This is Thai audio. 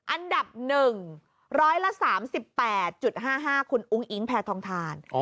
อันดับ๑๓๘๕๕คุณอุ้งอิ๊งแพทองทาน